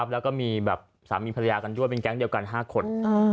แล้วก็มีแบบสามีภรรยากันด้วยเป็นแก๊งเดียวกัน๕คน